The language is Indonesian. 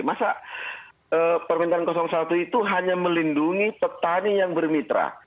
masa permintaan satu itu hanya melindungi petani yang bermitra